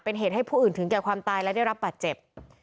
เป็นเหตุให้ผู้อื่นถึงแก่ความตายและได้รับบาดเจ็บ